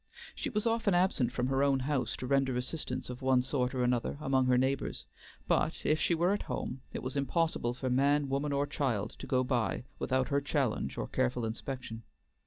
She was often absent from her own house to render assistance of one sort or another among her neighbors, but if she were at home it was impossible for man, woman, or child to go by without her challenge or careful inspection.